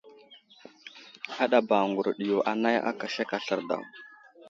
Aɗaba ŋgurəɗ yo anay aka sek aslər daw.